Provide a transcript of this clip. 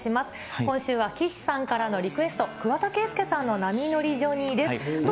今週は岸さんからのリクエスト、桑田佳祐さんの波乗りジョニーです。